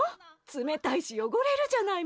つめたいしよごれるじゃない